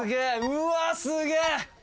うわすげえ！